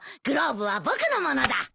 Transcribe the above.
グローブは僕のものだ！